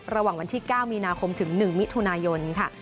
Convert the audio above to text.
ระหว่างวันที่๙มีนาคมถึง๑มิถุนายนค่ะ